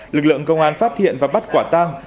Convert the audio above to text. lực lượng công an phát hiện và bắt quả tang